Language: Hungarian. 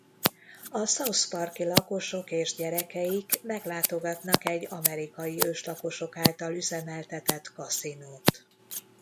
A South Park-i lakosok és gyerekeik meglátogatnak egy amerikai őslakosok által üzemeltetett kaszinót.